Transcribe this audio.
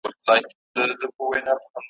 نو به ګورې چي نړۍ دي د شاهي تاج در پرسر کي `